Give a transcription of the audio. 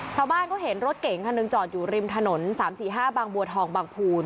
ชาวบ้านเขาเห็นรถเก๋งคันหนึ่งจอดอยู่ริมถนน๓๔๕บางบัวทองบางภูน